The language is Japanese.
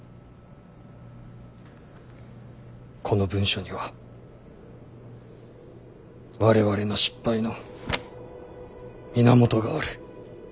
この文書には我々の失敗の源がある。